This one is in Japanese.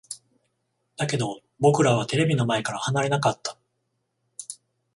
だけど、僕らはテレビの前から離れなかった。